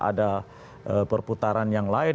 ada perputaran yang lain